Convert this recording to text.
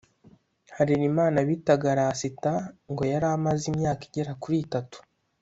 Harerimana (bitaga Rasita) ngo yari ahamaze imyaka igera kuri itatu